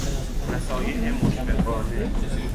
نصایح مشفقانه